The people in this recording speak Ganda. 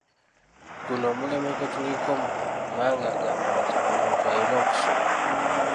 Guno omulembe gwe tuliko mmange agamba nti buli muntu alina okusoma.